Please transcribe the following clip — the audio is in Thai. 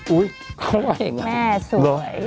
อุ๊ยแม่สวย